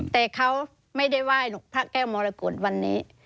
แต่เขาไม่ได้ไหว้หรอกพระแก้วมรกฏวันนี้